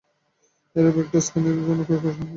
এরূপ একটি স্ক্যানের জন্য কয়েক সেকেন্ড সময়ের প্রয়োজন হয়।